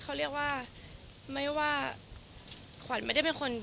เขาเรียกว่าไม่ว่าขวัญไม่ได้เป็นคน